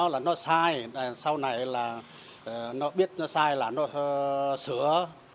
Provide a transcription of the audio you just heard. là nó sai sau này là nó biết nó sai là nó sửa